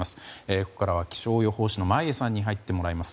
ここからは気象予報士の眞家さんに入ってもらいます。